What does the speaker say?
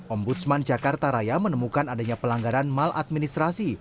ombudsman jakarta raya menemukan adanya pelanggaran mala administrasi